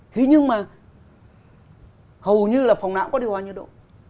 thế nhưng mà hầu như là phòng não có điều hòa nhiệt độ